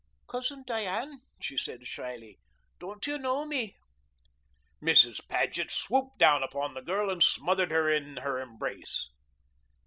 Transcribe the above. "Cousin Diane," she said shyly. "Don't you know me?" Mrs. Paget swooped down upon the girl and smothered her in her embrace.